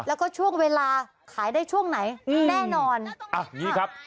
แล้วก็ช่วงเวลาขายได้ช่วงไหนอืมแน่นอนอ่ะอย่างงี้ครับ